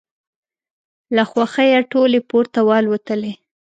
له خوښیه ټولې پورته والوتلې.